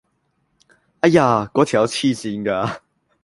唉呀！果條友痴線㗎！